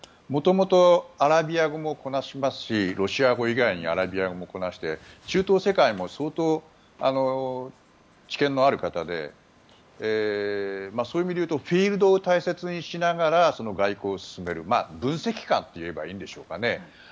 元々、アラビア語もこなしますしロシア語以外にアラビア語もこなして中東世界も相当知見のある方でそういう意味で言うとフィールドを大切にしながら外交を進める、分析官といえばいいんでしょうかね